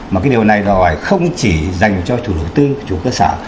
mà cái điều này đòi hỏi không chỉ dành cho chủ đầu tư chủ cơ sở